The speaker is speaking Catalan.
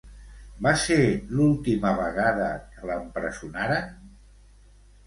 Va ser l'última vegada que l'empresonaren?